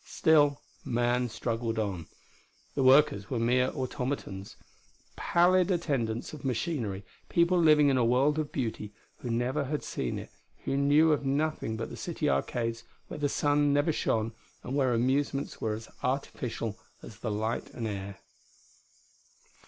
Still, man struggled on. The workers were mere automatons pallid attendants of machinery; people living in a world of beauty who never had seen it; who knew of nothing but the city arcades where the sun never shone and where amusements were as artificial as the light and air.